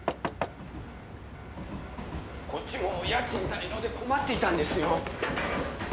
こっちも家賃滞納で困っていたんですよ。